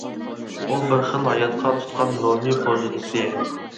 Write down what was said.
ئۇ بىر خىل ھاياتقا تۇتقان روھىي پوزىتسىيە.